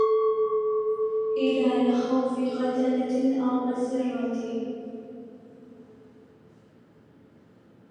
إلَّا لِخَوْفِ قَتْلِهِ أَوْ أَسْرِهِ